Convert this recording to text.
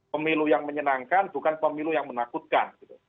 pemilu yang menyenangkan bukan pemilu yang menakutkan